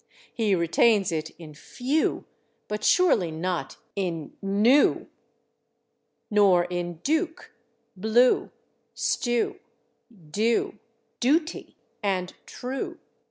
He retains it in /few/, but surely not in /new/. Nor in /duke/, /blue/, /stew/, /due/, /duty/ and /true